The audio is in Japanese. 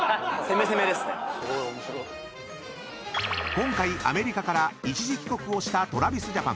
［今回アメリカから一時帰国をしたＴｒａｖｉｓＪａｐａｎ］